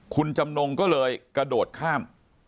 คุณจำนงก็เลยกระโดดข้าม